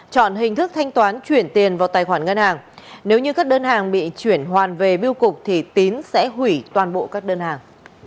chọn hình thức thanh toán chuyển tiền vào tài khoản ngân hàng nếu như các đơn hàng bị chuyển hoàn về biêu cục thì tín sẽ hủy toàn bộ các đơn hàng